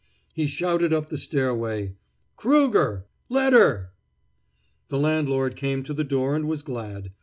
He shouted up the stairway: "Krueger! Letter!" The landlord came to the door and was glad.